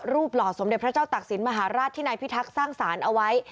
หล่อสมเด็จพระเจ้าตักศิลปมหาราชที่นายพิทักษ์สร้างสารเอาไว้